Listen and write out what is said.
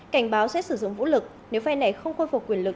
cảnh báo sẽ sử dụng vũ lực nếu phe này không khôi phục quyền lực